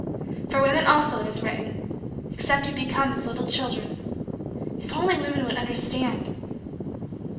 For women also it is written: "Except ye become as little children." If only women would understand!